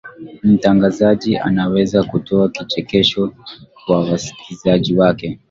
mtangazaji anaweza kutoa kichekesho kwa wasikilizaji wake